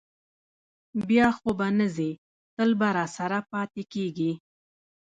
بیا خو به نه ځې، تل به راسره پاتې کېږې؟